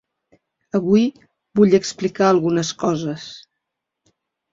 Avui vull explicar algunes coses.